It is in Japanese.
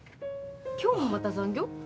今日もまた残業？